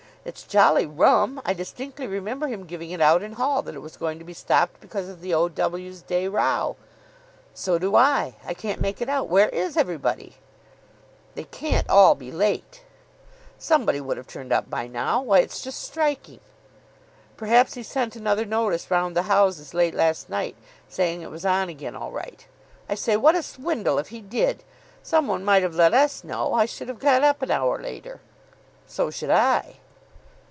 "It's jolly rum. I distinctly remember him giving it out in hall that it was going to be stopped because of the O.W.'s day row." "So do I. I can't make it out. Where is everybody?" "They can't all be late." "Somebody would have turned up by now. Why, it's just striking." "Perhaps he sent another notice round the houses late last night, saying it was on again all right. I say, what a swindle if he did. Some one might have let us know. I should have got up an hour later." "So should I."